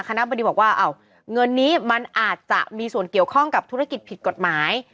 คณะบดีบอกว่าเงินนี้มันอาจจะมีส่วนเกี่ยวข้องกับธุรกิจผิดกฎหมาย